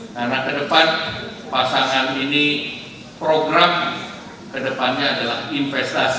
karena ke depan pasangan ini program ke depannya adalah investasi di suku